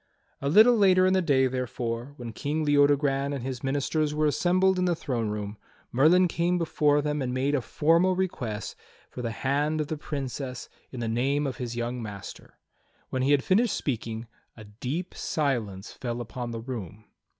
A little later in the day, therefore, when King Leodogran and his ministers were assembled in the throne room. Merlin came before them and made a formal request for the hand of the Princess in the name now ARTHUR WON HIS SWORD 33 of his young master. When he had finished speaking a deep silence fell upon the room.